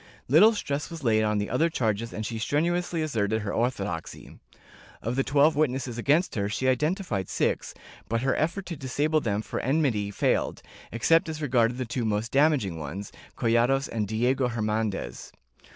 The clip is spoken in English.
Little stress was laid on the other charges and she strenuously asserted her orthodoxy. Of the twelve witnesses against her she identified six, but her effort to disable them for enmity failed, except as regarded the two most damaging ones, Collados and Diego Her nandez.